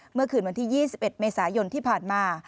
เมื่อคืนวันที่๒๑เมษายนที่ผ่านมา